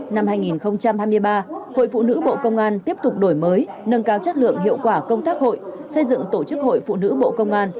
năm hai nghìn hai mươi ba hội phụ nữ bộ công an tiếp tục đổi mới nâng cao chất lượng hiệu quả công tác hội xây dựng tổ chức hội phụ nữ bộ công an